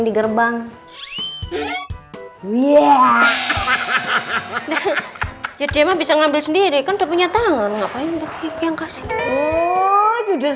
di gerbang iya hahaha jadi emang bisa ngambil sendiri kan tuh punya tangan ngapain yang kasih